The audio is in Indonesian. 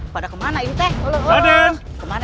pada kemana ini teh kemana